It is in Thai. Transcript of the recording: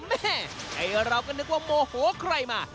แม่ไอ้เราก็นึกว่าโมโหใครมา